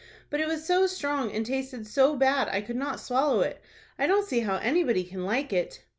But it was so strong, and tasted so bad, I could not swallow it. I don't see how anybody can like it."